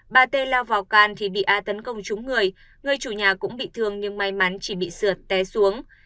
bà t lao vào can thì bị a tấn công trúng người người chủ nhà cũng bị thương nhưng may mắn chỉ bị sượt té xuống